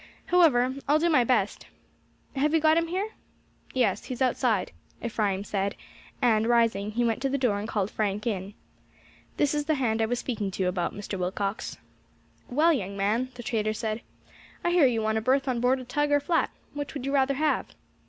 However, I will do my best. Have you got him here?" "Yes, he is outside," Ephraim said; and rising, he went to the door and called Frank in. "This is the hand I was speaking to you about, Mr. Willcox." "Well, young man," the trader said, "I hear you want a berth on board a tug or flat. Which would you rather have?"